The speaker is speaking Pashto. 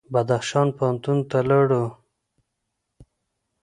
بدخشان پوهنتون ته لاړو.